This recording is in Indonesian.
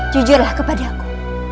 jujurlah kepada aku